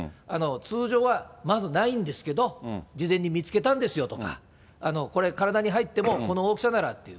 通常はまずないんですけど、事前に見つけたんですよとか、これ、体に入ってもこの大きさならっていう。